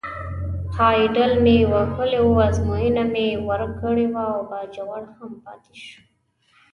پایډل مې وهلی و، ازموینه مې ورکړې وه او باجوړ هم پاتې شو.